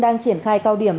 đang triển khai cao điểm